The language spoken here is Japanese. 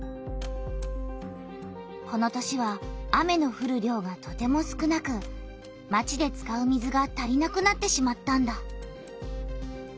この年は雨のふる量がとても少なくまちで使う水が足りなくなってしまったんだ。